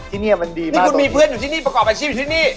ที่นี่มันดีนี่คุณมีเพื่อนอยู่ที่นี่ประกอบอาชีพอยู่ที่นี่